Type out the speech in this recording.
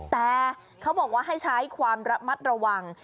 แต่เขาบอกว่าให้ใช้ความระมัดระวัง